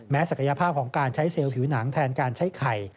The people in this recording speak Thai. ศักยภาพของการใช้เซลล์ผิวหนังแทนการใช้ไข่